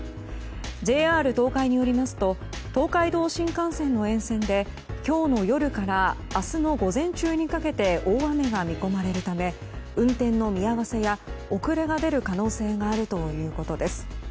ＪＲ東海によりますと東海道新幹線の沿線で今日の夜から明日の午前中にかけて大雨が見込まれるため運転の見合わせや遅れが出る可能性があるということです。